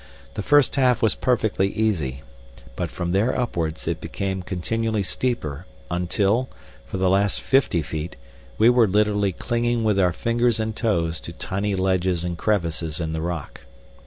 The first half was perfectly easy, but from there upwards it became continually steeper until, for the last fifty feet, we were literally clinging with our fingers and toes to tiny ledges and crevices in the rock.